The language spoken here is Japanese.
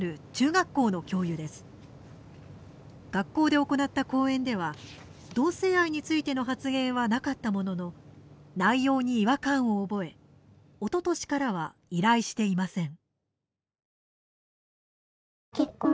学校で行った講演では同性愛についての発言はなかったものの内容に違和感を覚えおととしからは依頼していません。